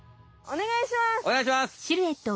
おねがいします！